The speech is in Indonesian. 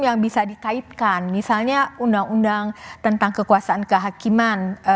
yang bisa dikaitkan misalnya undang undang tentang kekuasaan kehakiman